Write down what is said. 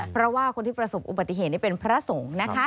เพราะว่าคนที่ประสบอุบัติเหตุนี่เป็นพระสงฆ์นะคะ